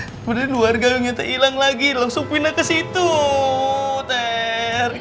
kemudian luar gayungnya tak hilang lagi langsung pindah kesitu ter